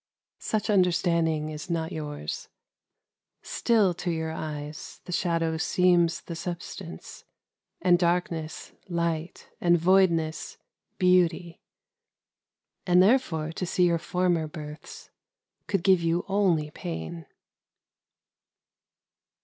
^ "Such understanding is not yours. Still 296 WITHIN THE CIRCLE to your eyes tlie shadow seems tlie substance, — and darkness, light, — and voidness, beauty. And therefore to see your former births could give you only pain."